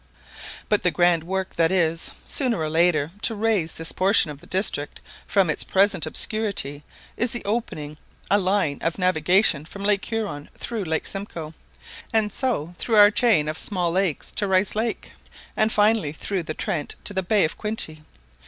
But the grand work that is, sooner or later, to raise this portion of the district from its present obscurity, is the opening a line of navigation from Lake Huron through Lake Simcoe, and so through our chain of small lakes to Rice Lake, and finally through the Trent to the Bay of Quinte.